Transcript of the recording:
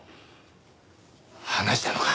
話したのか。